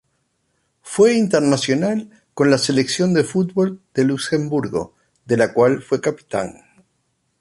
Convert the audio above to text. Fue internacional con la selección de fútbol de Luxemburgo, de la que fue capitán.